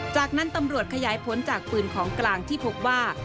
จากนั้นตำรวจขยายผลจากปืนของกลางที่พบว่า